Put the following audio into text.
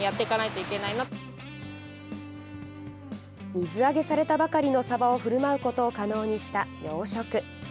水揚げされたばかりのサバをふるまうことを可能にした養殖。